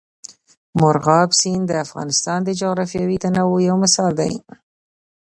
مورغاب سیند د افغانستان د جغرافیوي تنوع یو مثال دی.